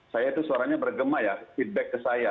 saya itu suaranya bergema ya feedback ke saya